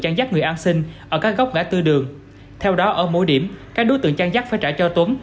chăn rắt người ăn xin ở các góc ngã tư đường theo đó ở mỗi điểm các đối tượng chăn rắt phải trả cho tuấn